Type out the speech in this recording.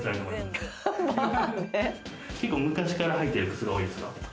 結構昔から履いてる靴が多いですか？